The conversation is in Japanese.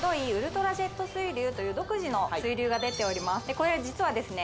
これは実はですね